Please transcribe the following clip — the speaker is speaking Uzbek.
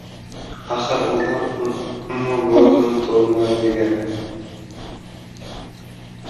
Axir odam umrbod unutolmaydigan